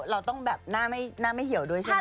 เราต้องแบบหน้าไม่เหี่ยวด้วยใช่ไหม